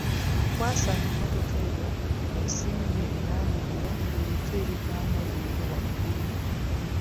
Twasanga emmotoka eyo esimbye e Wandegeya ng'eriko ebigambo ebyo waggulu.